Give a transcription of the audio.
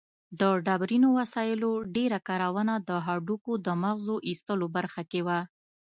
د ډبرینو وسایلو ډېره کارونه د هډوکو د مغزو ایستلو برخه کې وه.